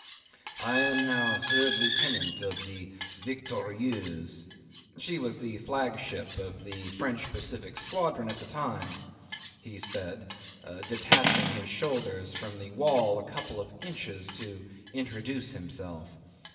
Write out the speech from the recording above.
"I am now third lieutenant of the Victorieuse" (she was the flagship of the French Pacific squadron at the time), he said, detaching his shoulders from the wall a couple of inches to introduce himself.